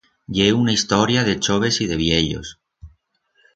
Ye una historia de choves y de viellos.